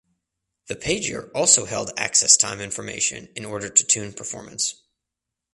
The pager also held access time information in order to tune performance.